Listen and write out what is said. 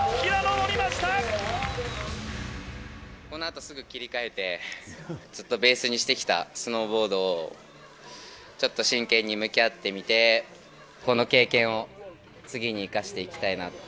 このあとすぐ切り替えて、ずっとベースにしてきたスノーボードにちょっと真剣に向き合ってみて、この経験を次に生かしていきたいな。